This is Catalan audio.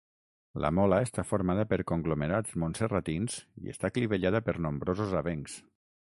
La mola està formada per conglomerats montserratins i està clivellada per nombrosos avencs.